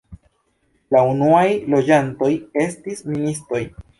La unuaj loĝantoj estis ministoj.